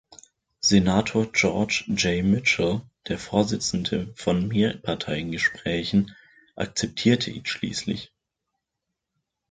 Senator George J. Mitchell, der Vorsitzende von Mehrparteiengesprächen, akzeptierte ihn schließlich.